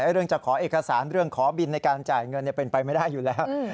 เรื่องขอบินในการจ่ายเงินเป็นไปไม่ได้อยู่แล้ว